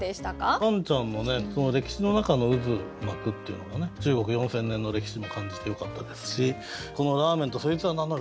カンちゃんのねこの「歴史の中の渦巻く」っていうのが中国４，０００年の歴史も感じてよかったですしこの「『ラーメン』とそいつは名乗る」。